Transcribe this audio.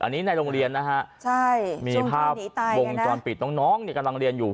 อันนี้ในโรงเรียนนะฮะใช่มีภาพวงจรปิดน้องเนี่ยกำลังเรียนอยู่